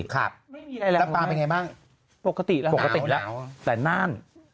ครับแล้วปลาเป็นยังไงบ้างปกติแล้วปกติแล้วแต่น่าน